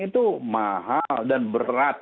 itu mahal dan berat